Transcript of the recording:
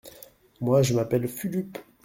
Moi, je m’appelle Fulup.